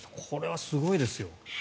これはすごいですよ。